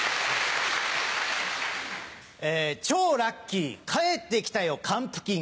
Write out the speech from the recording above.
超ラッキー帰ってきたよ還付金。